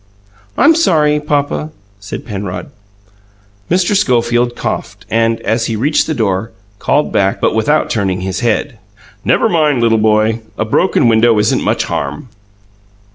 "I'm sorry, papa," said Penrod. Mr. Schofield coughed, and, as he reached the door, called back, but without turning his head. "Never mind, little boy. A broken window isn't much harm."